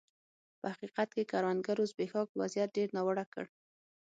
په حقیقت کې د کروندګرو زبېښاک وضعیت ډېر ناوړه کړ.